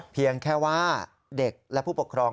เพียงแค่ว่าเด็กและผู้ปกครอง